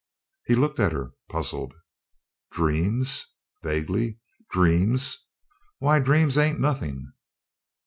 He looked at her, puzzled. "Dreams?" vaguely "dreams? Why, dreams ain't nothing."